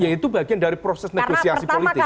ya itu bagian dari proses negosiasi politik